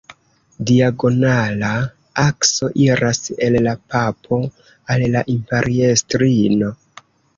Diagonala akso iras el la papo al la imperiestrino.